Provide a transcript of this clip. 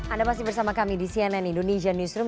anda masih bersama kami di cnn indonesia newsroom